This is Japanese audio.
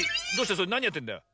それなにやってんだよ？